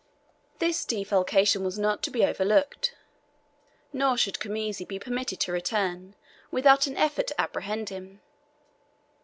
This defalcation was not to be overlooked, nor should Khamisi be permitted to return without an effort to apprehend him.